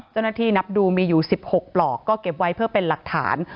เจ้าหน้าที่นับดูมีอยู่๑๖ปลอกก็เก็บไว้เพื่อเป็นหลักฐาน